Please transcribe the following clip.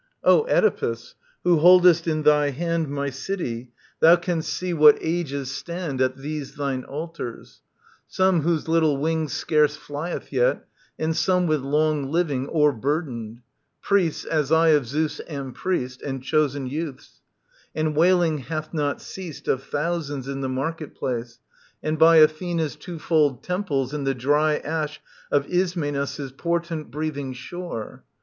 O Oedipus, who boldest in thy hand My city, thou canst see what ages stand At these thine altars ; some whose little wing Scarce flieth yet, and some with long living O'erburdened ; priests, as I of Zeus am priest, And chosen youths : and wailing hath not ceased Of thousands in the market place, and by Athena's two fold temples and the dry Ash of Ism^nus' portent breathing shore.